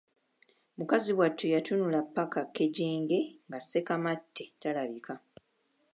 Mukazi wattu yatunula ppaka kkejenje nga Ssekamatte talabika.